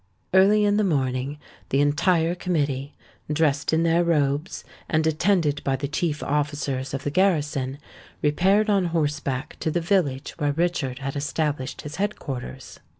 Early in the morning, the entire Committee, dressed in their robes, and attended by the chief officers of the garrison, repaired on horseback to the village where Richard had established his head quarters.